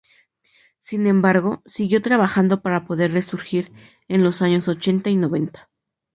Sin embargo, siguió trabajando para poder resurgir en los años ochenta y noventa.